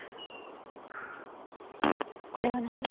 「」これは何？